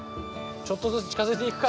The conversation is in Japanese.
ちょっとずつ近づいていくか。